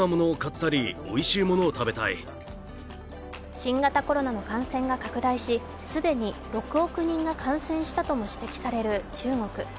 新型コロナの感染が拡大し、既に６億人が感染したとも指摘される中国。